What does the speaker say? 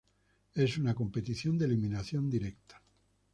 Es una competición de eliminación directa.